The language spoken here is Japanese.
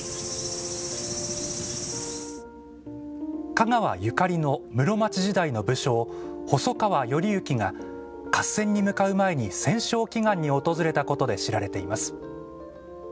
香川ゆかりの室町時代の武将細川頼之が、合戦に向かう前に戦勝祈願に訪れたことで知られています。